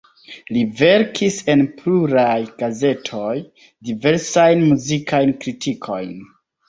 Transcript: Li verkis en pluraj gazetoj diversajn muzikajn kritikojn.